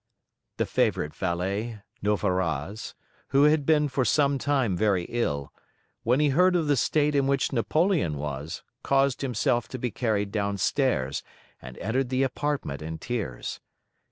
The favourite valet, Noverraz, who had been for some time very ill, when he heard of the state in which Napoleon was, caused himself to be carried downstairs, and entered the apartment in tears.